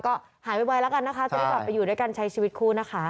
ก็หายไวแล้วกันนะคะจะได้กลับไปอยู่ด้วยกันใช้ชีวิตคู่นะคะ